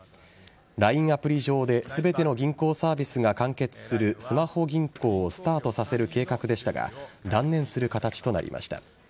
ＬＩＮＥアプリ上で全ての銀行サービスが完結するスマホ銀行をスタートさせる計画でしたが断念する形となりました。